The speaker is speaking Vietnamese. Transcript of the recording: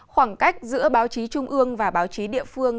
khoảng cách giữa báo chí trung ương và báo chí địa phương